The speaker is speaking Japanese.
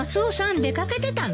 出掛けてたの？